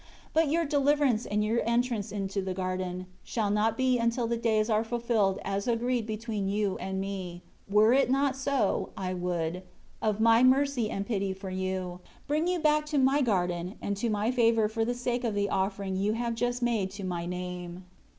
But your deliverance and your entrance in to the garden, shall not be until the days are fulfilled as agreed between you and Me; were it not so, I would, of My mercy and pity for you, bring you back to My garden and to My favor for the sake of the offering you have just made to My name."